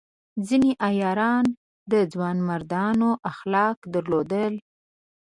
ځینې عیاران د ځوانمردانو اخلاق درلودل.